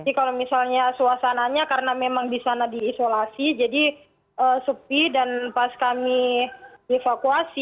kalau misalnya suasananya karena memang di sana diisolasi jadi sepi dan pas kami dievakuasi